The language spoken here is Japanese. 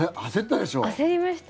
焦りました。